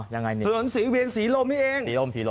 ถนนสีเวียงสีลมนี่เอง